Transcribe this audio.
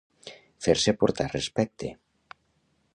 Fer-se portar respecte.